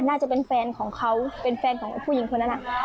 น่าจะเป็นแฟนของเขาเป็นแฟนของผู้หญิงคนนั้น